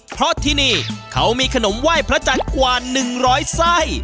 เพราะที่นี่เขามีขนมไหว้พระจันทร์กว่า๑๐๐ไส้